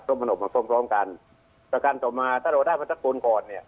เพราะมันออกมาพร้อมพร้อมกันแล้วกันต่อมาถ้าเราได้พันธุ์ตรงก่อนเนี่ย